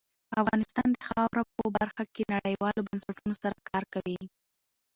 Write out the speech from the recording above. افغانستان د خاوره په برخه کې نړیوالو بنسټونو سره کار کوي.